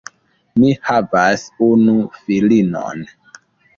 Mi havas unu filinon.